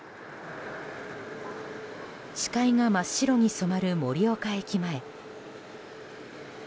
視界が真っ白に染まる盛岡駅前。